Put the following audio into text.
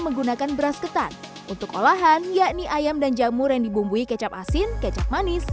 menggunakan beras ketan untuk olahan yakni ayam dan jamur yang dibumbui kecap asin kecap manis